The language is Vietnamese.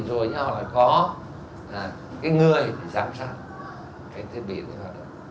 nhưng họ lại có cái người giám sát cái thiết bị này vào đó